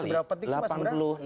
seberapa penting sih mas burhan